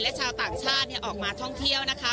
และชาวต่างชาติออกมาท่องเที่ยวนะคะ